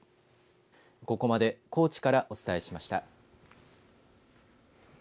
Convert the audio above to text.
ここまで高知からお伝えしました。